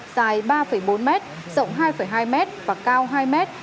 dài ba bốn mét rộng hai hai mét và cao hai m